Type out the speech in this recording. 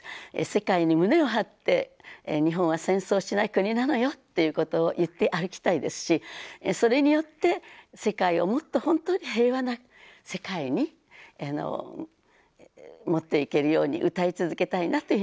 世界に胸を張って日本は戦争しない国なのよっていうことを言って歩きたいですしそれによって世界をもっと本当に平和な世界に持っていけるように歌い続けたいなというふうに思います。